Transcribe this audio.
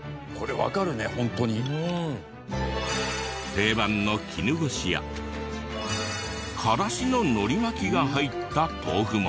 定番の絹ごしやからしののり巻きが入った豆腐も。